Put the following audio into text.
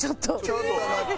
ちょっと待って！